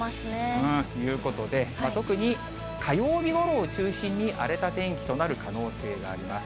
ということで、火曜日ごろを中心に荒れた天気となる可能性があります。